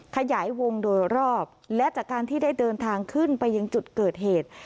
ขยายวงโดยรอบและจากการที่ได้เดินทางขึ้นไปยังจุดเกิดเหตุ